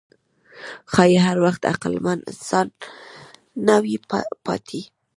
ښایي هغه وخت عقلمن انسان نه وي پاتې.